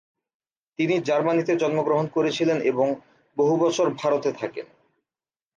তিনি জার্মানিতে জন্মগ্রহণ করেছিলেন এবং বহু বছর ভারতে থাকেন।